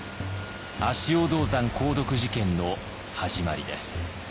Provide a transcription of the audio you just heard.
足尾銅山鉱毒事件の始まりです。